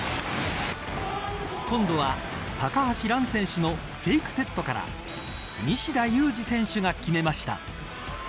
今度は高橋藍選手のフェイクセットから西田有志選手が決めました。